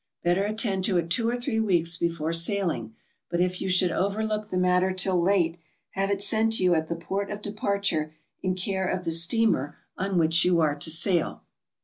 Better attend to it two or three weeks before sailing, but if you should overlook the matter till late, have it sent to you at the port of departure in care of the steamer on which you are to sail.